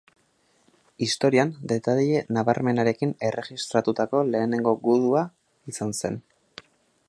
Historian detaile nabarmenarekin erregistratutako lehenengo gudua izan zen.